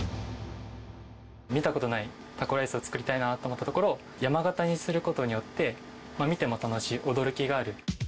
見たことない、タコライスを作りたいなと思ったところ、山型にすることによって、見ても楽しい、驚きがある。